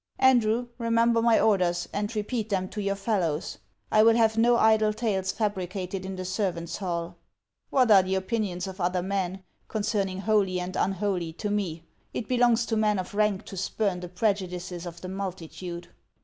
'Andrew remember my orders, and repeat them to your fellows: I will have no idle tales fabricated in the servant's hall.' 'What are the opinions of other men, concerning holy and unholy, to me? It belongs to men of rank to spurn the prejudices of the multitude.'